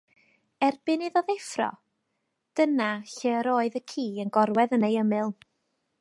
Erbyn iddo ddeffro, dyna lle yr oedd y ci yn gorwedd yn ei ymyl.